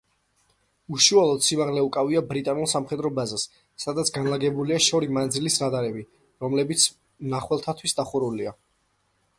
უშუალოდ სიმაღლე უკავია ბრიტანულ სამხედრო ბაზას, სადაც განლაგებულია შორი მანძილის რადარები, რომლებიც მნახველთათვის დახურულია.